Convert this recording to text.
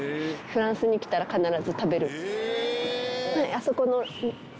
あそこの。